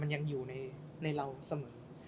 มันยังอยู่ในเราเสมอ